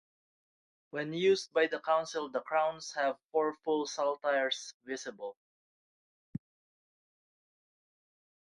When used by the council the crowns have four full saltires visible.